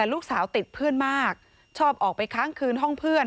ลูกสาวติดเพื่อนมากชอบออกไปค้างคืนห้องเพื่อน